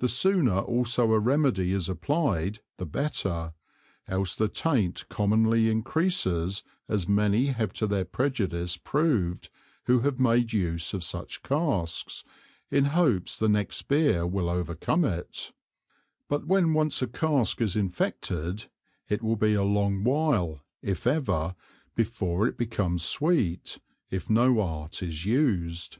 The sooner also a Remedy is applied, the better; else the Taint commonly encreases, as many have to their prejudice proved, who have made use of such Casks, in hopes the next Beer will overcome it; but when once a Cask is infected, it will be a long while, if ever, before it becomes sweet, if no Art is used.